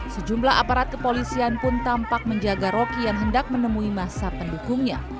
sejumlah aparat kepolisian pun tampak menjaga rocky yang hendak menemui masa pendukungnya